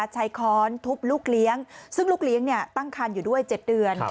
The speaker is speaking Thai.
ค้อนทุบลูกเลี้ยงซึ่งลูกเลี้ยงตั้งคันอยู่ด้วย๗เดือน